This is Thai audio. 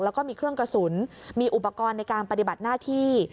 แล้วก็มีเครื่องกระสุนมีอุปกรณ์ในการปฏิบัติหน้าที่